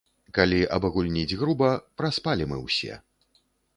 Калі абагульніць груба, праспалі мы ўсе.